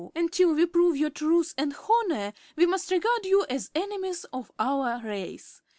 Until we prove your truth and honor we must regard you as enemies of our race.